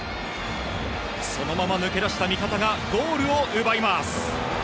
そのまま抜け出した味方がゴールを奪います。